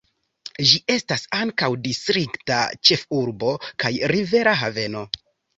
Ĝi estas ankaŭ distrikta ĉefurbo kaj rivera haveno.